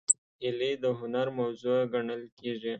هیلۍ د هنر موضوع ګڼل کېږي